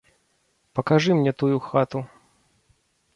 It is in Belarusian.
Пакажы мне тую хату.